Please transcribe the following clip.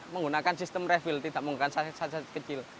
menggunakan sistem refill tidak menggunakan sase sase kecil